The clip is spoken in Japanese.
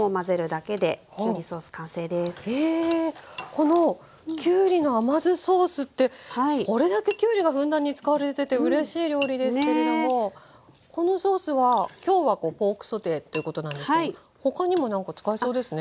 このきゅうりの甘酢ソースってこれだけきゅうりがふんだんに使われててうれしい料理ですけれどもこのソースは今日はポークソテーっていうことなんですけど他にも何か使えそうですね。